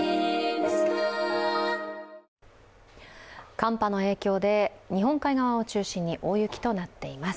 寒波の影響で日本海側を中心に大雪となっています。